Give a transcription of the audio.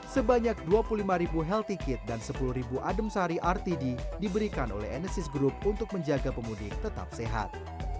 sebanyak dua puluh lima healthy kit dan sepuluh adem sari rtd diberikan oleh enesis group untuk menjaga pemudik tetap sehat